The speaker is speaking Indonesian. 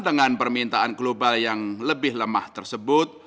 dengan permintaan global yang lebih lemah tersebut